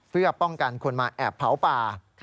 เพื่อป้องกันคนมาแอบเผาป่า